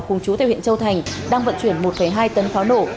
cùng chú tại huyện châu thành đang vận chuyển một hai tấn pháo nổ